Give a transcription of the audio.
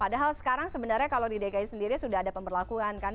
padahal sekarang sebenarnya kalau di dki sendiri sudah ada pemberlakuan kan